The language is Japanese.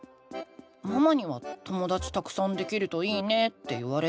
ママには「ともだちたくさんできるといいね」って言われたけど。